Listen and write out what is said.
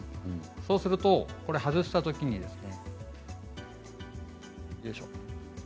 そうすると外したときによいしょ。